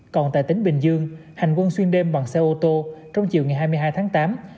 còn tại tỉnh bình dương hành quân xuyên đêm bằng xe ô tô trong chiều ngày hai mươi hai tháng tám